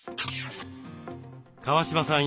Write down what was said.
川嶋さん